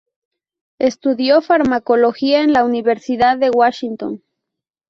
Estudió Farmacología en la Universidad de Washington.